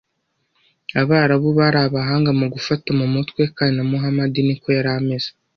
Abarabu bari abahanga mu gufata mu mutwe kandi na Muhamadi ni ko yari ameze